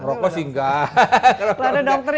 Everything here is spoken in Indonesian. berokok sih enggak